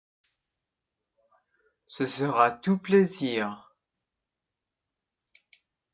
Ce sera tout plaisir.